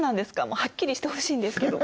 もうはっきりしてほしいんですけど。